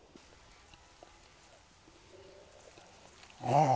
ああ。